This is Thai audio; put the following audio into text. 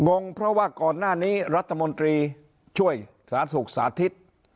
งงเพราะว่าก่อนหน้านี้รัฐมนตรีช่วยสาธารณสุขสาธิต